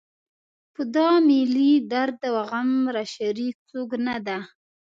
په دا ملي درد و غم راشریک څوک نه ده.